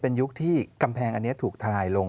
เป็นยุคที่กำแพงอันนี้ถูกทลายลง